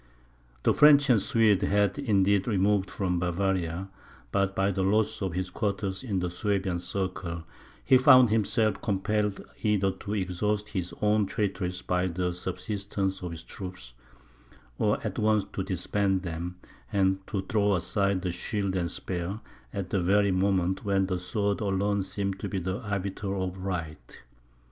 The French and Swedes had indeed removed from Bavaria; but, by the loss of his quarters in the Suabian circle, he found himself compelled either to exhaust his own territories by the subsistence of his troops, or at once to disband them, and to throw aside the shield and spear, at the very moment when the sword alone seemed to be the arbiter of right.